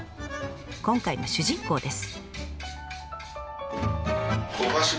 今回の主人公です。